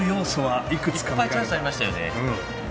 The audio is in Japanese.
いっぱい、チャンスありましたね。